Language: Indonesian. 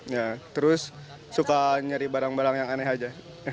ya terus suka nyari barang barang yang aneh aja